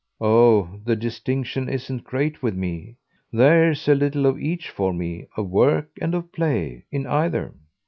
Oh the distinction isn't great with me. There's a little of each for me, of work and of play, in either.